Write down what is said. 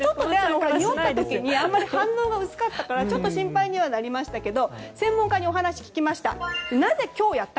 匂った時にあまり反応が薄かったからちょっと心配にはなりましたが専門家にお話を聞きました。